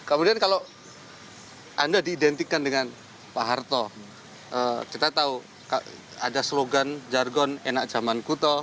kemudian kalau anda diidentikan dengan pak harto kita tahu ada slogan jargon enak zaman kuto